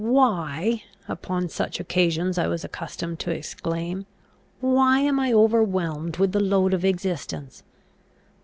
"Why," upon such occasions I was accustomed to exclaim, "why am I overwhelmed with the load of existence?